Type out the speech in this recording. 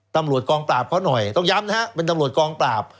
ตำรวจกองปราบเขาหน่อยต้องย้ำนะฮะเป็นตำรวจกองปราบ